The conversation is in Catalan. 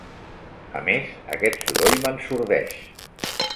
A més, aquest soroll m'ensordeix.